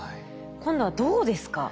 今度は銅ですか。